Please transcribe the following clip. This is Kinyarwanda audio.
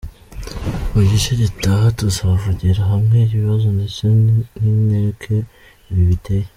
Mu gice gitaha tuzavugira hamwe ibibazo ndetse n’inkeke ibi biteye.